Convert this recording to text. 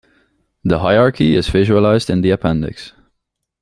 The hierarchy is visualized in the appendix.